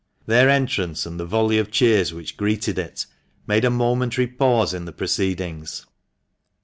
Their entrance, and the volley of cheers which greeted it, made a momentary pause in the proceedings.